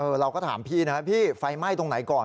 เราก็ถามพี่นะพี่ไฟไหม้ตรงไหนก่อน